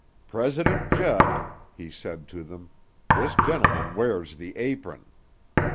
"'President Judd,' he said to them, 'this gentleman wears the apron.'